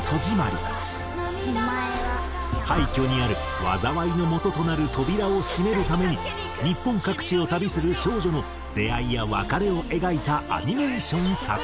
廃虚にある災いの元となる扉を閉めるために日本各地を旅する少女の出会いや別れを描いたアニメーション作品。